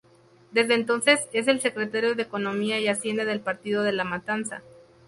Desde entonces es el Secretario de Economía y Hacienda del partido de La Matanza.